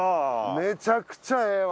めちゃくちゃええわ！